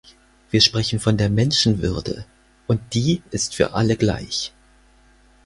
Wir sprechen von der Menschenwürde, und die ist für alle gleich.